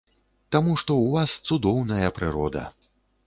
Таму што ў вас цудоўная прырода.